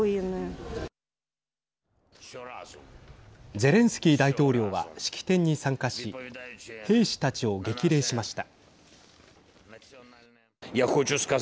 ゼレンスキー大統領は式典に参加し兵士たちを激励しました。